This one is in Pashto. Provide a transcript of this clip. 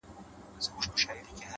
د دوى دا هيله ده چي _